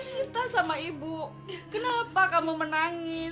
cerita sama ibu kenapa kamu menangis